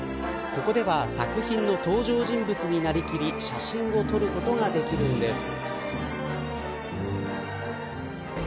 ここでは作品の登場人物になりきり写真を撮ることができるんです。